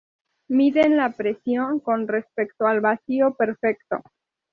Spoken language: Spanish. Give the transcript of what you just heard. Miden la presión con respecto al vacío perfecto.